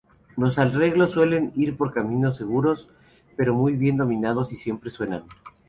Los arreglos suelen ir por caminos seguros pero muy bien dominados y siempre suenan.